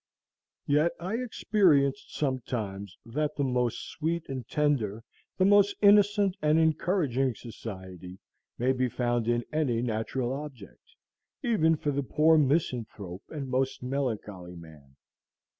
Yet I experienced sometimes that the most sweet and tender, the most innocent and encouraging society may be found in any natural object, even for the poor misanthrope and most melancholy man.